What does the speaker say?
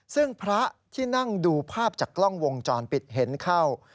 ซึ่งพระที่นั่งดูภาพจากกล้องวงจรปิดเห็นเข้า